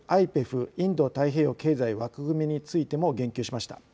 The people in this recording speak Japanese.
・インド太平洋経済枠組みについても言及しました。